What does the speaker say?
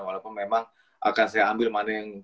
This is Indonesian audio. walaupun memang akan saya ambil mana yang